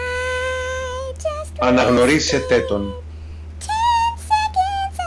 αναγνωρίσετε τον